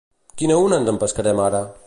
Quina una ens empescarem ara?